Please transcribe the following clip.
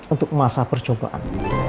untuk masa percobaan